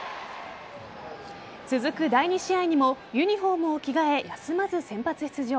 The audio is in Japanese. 続く第２試合にもユニホームを着替え休まず先発出場。